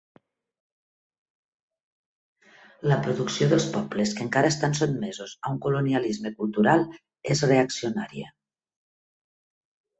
La producció dels pobles que encara estan sotmesos a un colonialisme cultural és reaccionària.